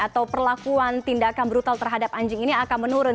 atau perlakuan tindakan brutal terhadap anjing ini akan menurun